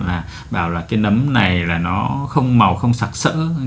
là bảo là cái nấm này là nó không màu không sạc sỡ